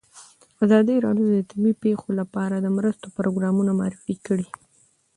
ازادي راډیو د طبیعي پېښې لپاره د مرستو پروګرامونه معرفي کړي.